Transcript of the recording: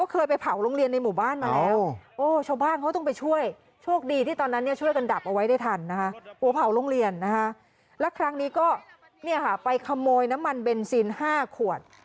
กลัวเผาโรงเรียนนะคะแล้วครั้งนี้ก็ไปขโมยน้ำมันเบนซิน๕ขวด